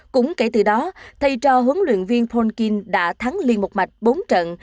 cũng kể từ đó thay cho huấn luyện viên polking đã thắng liên một mạch bốn trận